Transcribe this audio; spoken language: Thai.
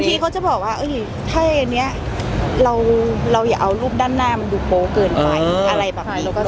ทีเขาจะบอกว่าถ้าอันนี้เราอย่าเอารูปด้านหน้ามันดูโป๊เกินไปอะไรแบบนี้